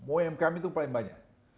umkm itu paling banyak